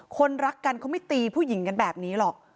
คนรักกันเขาไม่ตีผู้หญิงกันแบบนี้หรอก